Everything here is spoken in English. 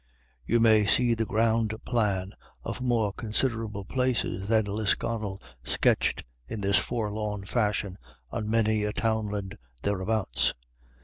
You may see the ground plan of more considerable places than Lisconnel sketched in this forlorn fashion on many a townland thereabouts.